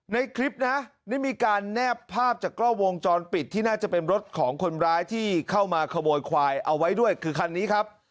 ในคลิปนะได้มีการแนบภาพจากกล้องวงจรปิดที่น่าจะเป็นรถของคนร้ายที่เข้ามาขโมยควายเอาไว้ด้วยคือคันนี้ครับ